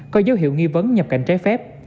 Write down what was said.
có dấu hiệu nghi vấn nhập cảnh trái phép